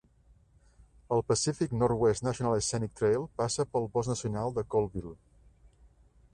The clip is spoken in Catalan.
El Pacific Northwest National Scenic Trail passa pel bosc nacional de Colville.